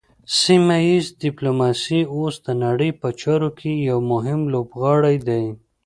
سیمه ایز ډیپلوماسي اوس د نړۍ په چارو کې یو مهم لوبغاړی دی